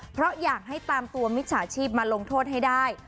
เพราะอยากให้ตามตัวมิจฉาชีพมาลงโทษให้ได้